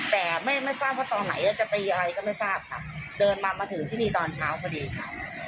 แต่ไม่ไม่ทราบว่าตอนไหนจะตีอะไรก็ไม่ทราบค่ะเดินมามาถึงที่นี่ตอนเช้าพอดีค่ะ